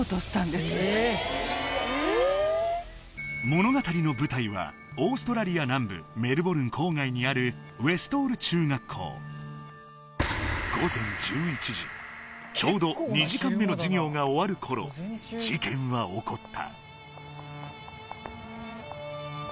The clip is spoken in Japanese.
物語の舞台はオーストラリア南部メルボルン郊外にある午前１１時ちょうど２時間目の授業が終わるころ事件は起こったうん？